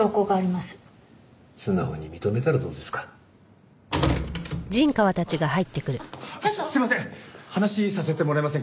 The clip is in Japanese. すいません。